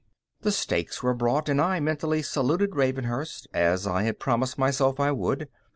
The steaks were brought, and I mentally saluted Ravenhurst, as I had promised myself I would.